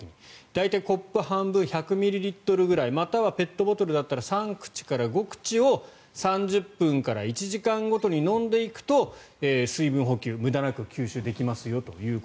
大体、コップ半分１００ミリリットルくらいまたはペットボトルだったら３口から５口を３０分から１時間ごとに飲んでいくと水分補給無駄なく吸収できますよと。